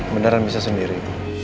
beneran bisa sendiri